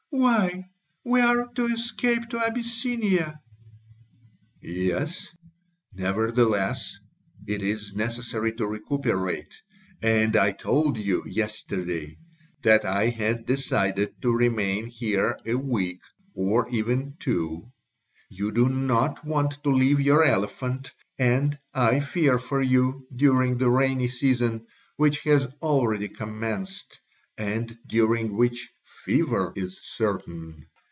"Why, we are to escape to Abyssinia." "Yes. Nevertheless it is necessary to recuperate, and I told you yesterday that I had decided to remain here a week, or even two. You do not want to leave your elephant, and I fear for you during the rainy season, which has already commenced and during which fever is certain.